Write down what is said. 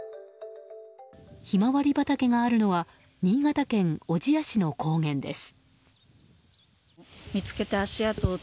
ヒマワリ畑があるのは新潟県小千谷市の高原です。